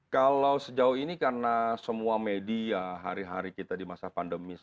kalau sejauh ini karena semua media hari hari kita di masa pandemi